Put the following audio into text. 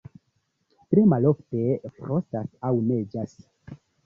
Tre malofte frostas aŭ neĝas.